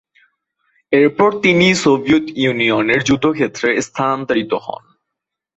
এরপর তিনি সোভিয়েত ইউনিয়নের যুদ্ধক্ষেত্রে স্থানান্তরিত হন।